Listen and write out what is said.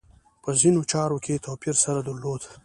په ځینو چارو کې توپیر سره درلود.